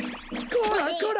こらこら！